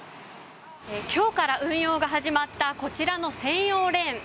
今日から運用が始まったこちらの専用レーン。